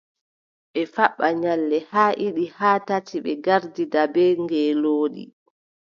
Ɓe faɓɓa nyalɗe haa ɗiɗi haa tati, ɓe ngartida bee ngeelooɗi,